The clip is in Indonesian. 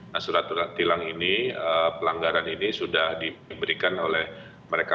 nah surat surat tilang ini pelanggaran ini sudah diberikan oleh mereka